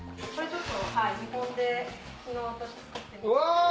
ちょっと。